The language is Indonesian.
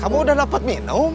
kamu sudah dapat minum